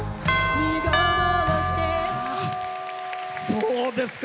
そうですか。